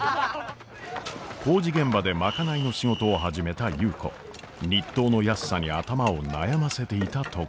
工事現場で賄いの仕事を始めた優子日当の安さに頭を悩ませていたところ。